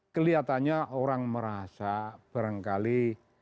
kelihatannya orang merasa barangkali